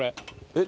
えっ？